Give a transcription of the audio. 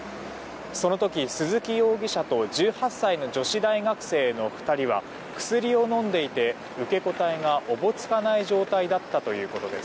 その時、鈴木容疑者と１８歳の女子大学生の２人は薬を飲んでいて受け答えがおぼつかない状態だったということです。